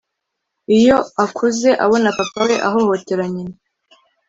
Iyo akuze abona Papa we ahohotera nyina